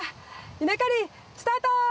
稲刈りスタート！